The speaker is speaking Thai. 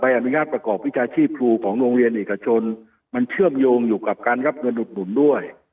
อนุญาตประกอบวิชาชีพครูของโรงเรียนเอกชนมันเชื่อมโยงอยู่กับการรับเงินอุดหนุนด้วย